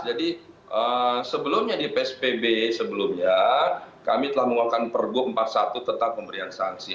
jadi sebelumnya di pspb kami telah menguangkan pergub empat puluh satu tentang pemberian sanksi